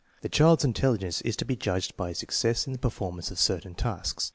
The child's intelligence is to be judged by his success in the performance of certain tasks.